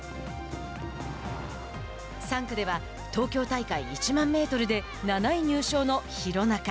３区では東京大会１万メートルで７位入賞の廣中。